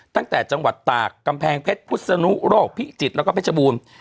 ตั้งแต่จังหวัดตากกำแพงเพชรพิศนุโรคพิจิตรแล้วก็เพชรบูรณ์